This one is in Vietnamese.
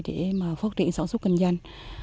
để phát triển sản xuất kinh doanh